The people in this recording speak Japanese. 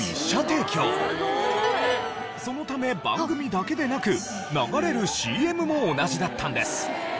そのため番組だけでなく流れるＣＭも同じだったんです。